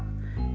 bisa lah pak